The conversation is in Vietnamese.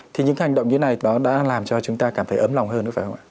thì những hành động như này đã làm cho chúng ta cảm thấy ấm lòng hơn đúng không ạ